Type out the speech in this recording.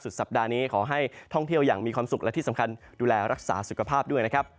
สัปดาห์นี้ขอให้ท่องเที่ยวอย่างมีความสุขและที่สำคัญดูแลรักษาสุขภาพด้วยนะครับ